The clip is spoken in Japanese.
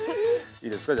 いいですか？